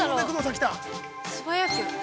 ◆素早く。